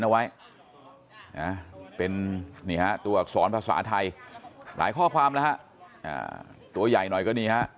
เอาไว้เป็นตัวอักษรภาษาไทยหลายข้อความแล้วตัวใหญ่หน่อยก็